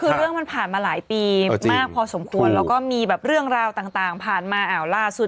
คือเรื่องมันผ่านมาหลายปีมากพอสมควรแล้วก็มีแบบเรื่องราวต่างผ่านมาล่าสุด